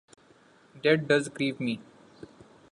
That does grieve me.